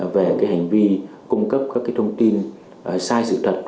về hành vi cung cấp các thông tin sai sự thật